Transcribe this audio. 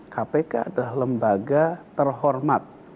kpk adalah lembaga terhormat